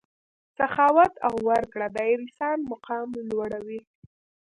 سخاوت او ورکړه د انسان مقام لوړوي.